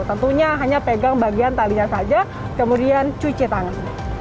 tentunya hanya pegang bagian talinya saja kemudian cuci tangan